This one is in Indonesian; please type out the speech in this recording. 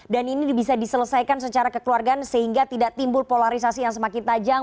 ini bisa diselesaikan secara kekeluargaan sehingga tidak timbul polarisasi yang semakin tajam